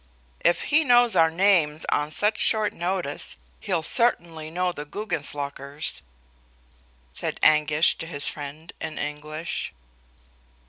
"If he knows our names on such short notice, he'll certainly know the Guggenslockers," said Anguish to his friend, in English.